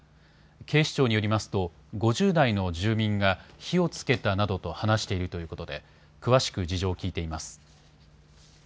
警視庁によりますと５０代の住民が火をつけたなどと話しているということで詳しく事情を聞いています。